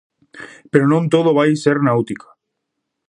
Pero non todo vai ser náutica!